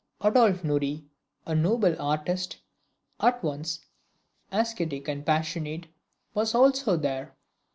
Adolphe Nourrit, a noble artist, at once ascetic and passionate, was also there.